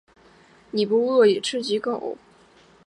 西红柿炒鸡蛋是我妈的招牌菜，你不饿也吃几口。